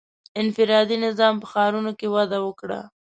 • انفرادي نظام په ښارونو کې وده وکړه.